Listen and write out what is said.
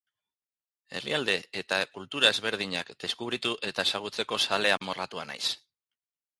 Herrialde eta kultura ezberdinak deskubritu eta ezagutzeko zale amorratua naiz.